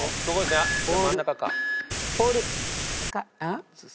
じゃあ真ん中か。